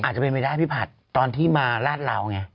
อาจจะเป็นบีด้ายพี่พัฒน์ตอนที่มาร้านราวไง